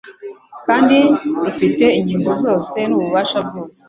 kandi rufite ingingo zose n'ububasha bwose